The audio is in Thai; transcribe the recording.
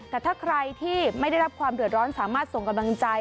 แต่ถ้าใครที่ไม่ได้รับความเดือดร้อนสามารถส่งกำลังใจ